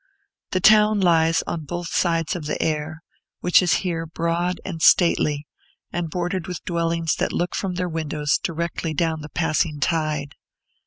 The town lies on both sides of the Ayr, which is here broad and stately, and bordered with dwellings that look from their windows directly down into the passing tide.